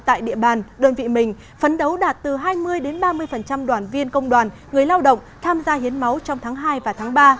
tại địa bàn đơn vị mình phấn đấu đạt từ hai mươi ba mươi đoàn viên công đoàn người lao động tham gia hiến máu trong tháng hai và tháng ba